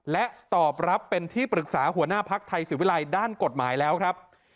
และตอบรับเป็นที่ปรึกษาหัวหน้าภักดิ์ไทยศิวิลัยด้านกฎหมายแล้วครับ